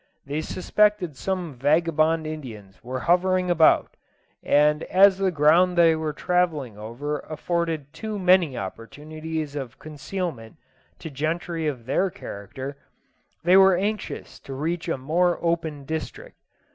They suspected some vagabond Indians were hovering about, and as the ground they were travelling over afforded too many opportunities of concealment to gentry of their character, they were anxious to reach a more open district.